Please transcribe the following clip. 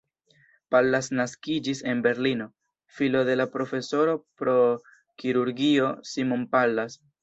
Pallas naskiĝis en Berlino, filo de la profesoro pro kirurgio Simon Pallas.